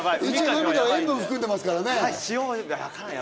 涙は塩分を含んでますからね。